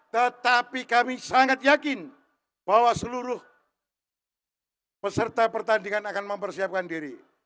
tetapi kami sangat yakin bahwa seluruh peserta pertandingan akan mempersiapkan diri